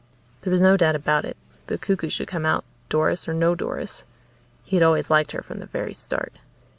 There was no doubt about it the cuckoo should come out, Doris or no Doris. He had always liked her, from the very start.